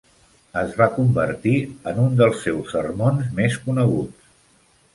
Es va convertir en un dels seus sermons més coneguts.